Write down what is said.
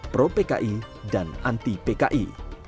pro pki dan anti pki